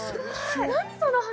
何その話！